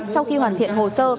sau khi hoàn thiện hồ sơ